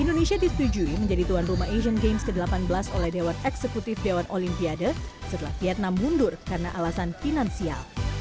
indonesia disetujui menjadi tuan rumah asian games ke delapan belas oleh dewan eksekutif dewan olimpiade setelah vietnam mundur karena alasan finansial